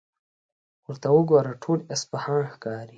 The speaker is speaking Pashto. ورته وګوره، ټول اصفهان ښکاري.